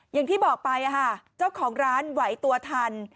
อย่างที่บอกไปเจ้าของร้านไหวตัวทัน